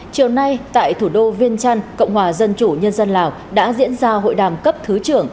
chiều nay tại thủ đô viên trăn cộng hòa dân chủ nhân dân lào đã diễn ra hội đàm cấp thứ trưởng